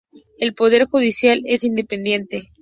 El poder judicial es independiente.